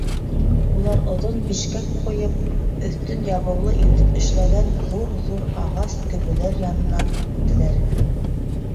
Улар оҙон бешкәк ҡуйып, өҫтөн ябыулы итеп эшләнгән ҙур-ҙур ағас көбөләр янынан үттеләр.